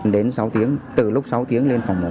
đến sáu tiếng từ lúc sáu tiếng lên phòng mổ